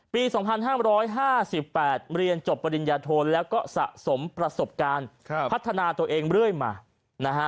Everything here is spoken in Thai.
ปี๒๕๕๘เรียนจบปริญญาโทนแล้วก็สะสมประสบการณ์พัฒนาตัวเองเรื่อยมานะฮะ